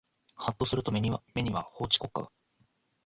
はっとすると目には法治国家が